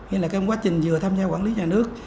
nên là quá trình vừa tham gia quản lý nhà nước